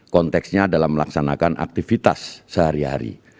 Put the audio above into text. konteksnya adalah melaksanakan aktivitas sehari hari